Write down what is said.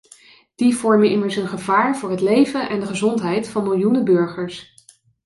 Die vormen immers een gevaar voor het leven en de gezondheid van miljoenen burgers.